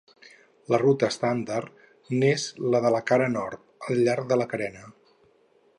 La ruta estàndard n'és la de la cara nord, al llarg de la carena.